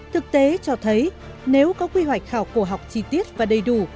thực tế cho thấy nếu có quy hoạch khảo cổ học chi tiết và đầy đủ